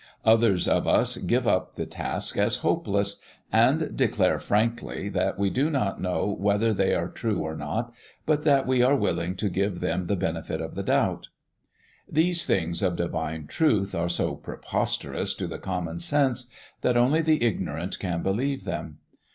Others of us give up the task as hopeless, and declare frankly that we do not know whether they are true or not, but that we are willing to give them the benefit of the doubt. These things of divine truth are so preposterous to the common sense that only the ignorant can believe them.